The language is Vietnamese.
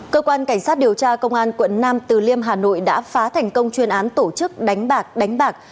cơ quan cảnh sát điều tra công an quận nam từ liêm hà nội đã phá thành công chuyên án tổ chức đánh bạc đánh bạc